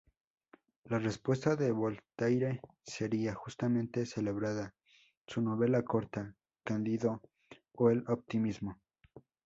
La respuesta de Voltaire sería justamente celebrada: su novela corta "Cándido o el optimismo".